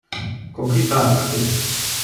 Con qui parla tu?